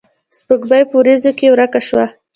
سپوږمۍ پۀ وريځو کښې ورکه شوه